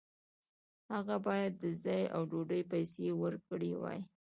هغه باید د ځای او ډوډۍ پیسې ورکړې وای.